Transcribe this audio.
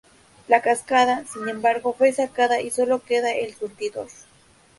La cascada, sin embargo, fue sacada, y sólo queda el surtidor.